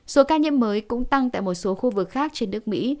số ca nhiễm mới cũng tăng tại một số khu vực khác trên nước mỹ